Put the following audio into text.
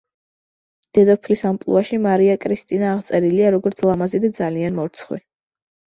დედოფლის ამპლუაში მარია კრისტინა აღწერილია როგორც ლამაზი და ძალიან მორცხვი.